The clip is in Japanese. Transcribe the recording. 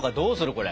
これ。